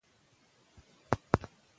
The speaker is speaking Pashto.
که انتقاد سالم وي نو اصلاح نه ځنډیږي.